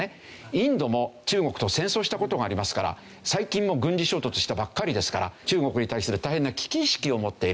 インドも中国と戦争した事がありますから最近も軍事衝突したばっかりですから中国に対する大変な危機意識を持っている。